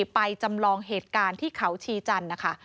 ไปจำลองเหตุการณ์ที่เขาชีจันทร์นะคะ